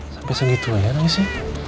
sampai segitu aja nangisnya